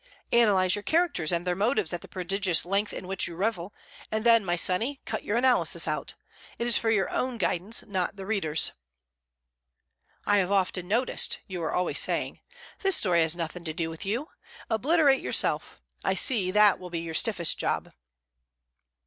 "Analyze your characters and their motives at the prodigious length in which you revel, and then, my sonny, cut your analysis out. It is for your own guidance, not the reader's. "'I have often noticed,' you are always saying. The story has nothing to do with you. Obliterate yourself. I see that will be your stiffest job.